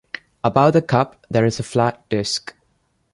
Above the cup, there is a flat disc.